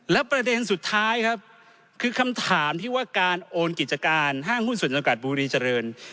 และประเด็นสุดท้ายครับคือคำถามที่ว่าการโอนกิจการห้างหุ้นส่วนจำกัดบุรีเจริญ